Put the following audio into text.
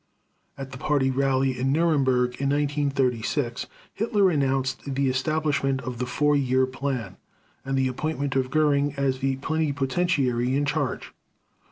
At the Party Rally in Nuremberg in 1936, Hitler announced the establishment of the Four Year Plan and the appointment of Göring as the Plenipotentiary in charge.